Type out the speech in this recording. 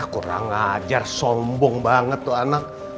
kurang ajar sombong banget tuh anak